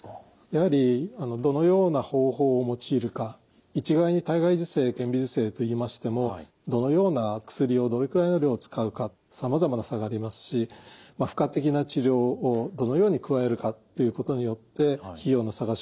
やはりどのような方法を用いるか一概に体外受精顕微授精といいましてもどのような薬をどれくらいの量を使うかさまざまな差がありますし付加的な治療をどのように加えるかということによって費用の差が生じます。